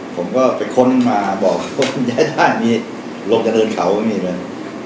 ผมก็ไปค้นมาบอกว่าย้ายได้มีลมกระเดินเขาไม่มีเลย